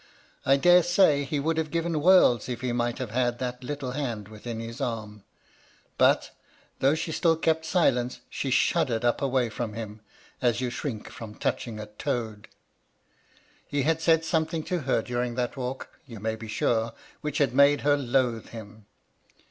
I dare say he would have given worlds if he might have had that little hand within his arm ; but, though she still kept silence, she shuddered up away from him, as you shrink from touching a toad. He had said some thing to her during that walk, you may be sure, which had made her loathe him.